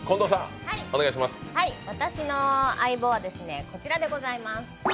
私の相棒は、こちらでございます。